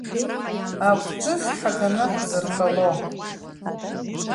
Агәҿыӷь ҳаганы ҳзыртәало.